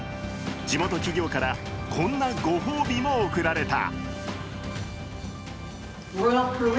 地元企業からこんなご褒美も贈られた。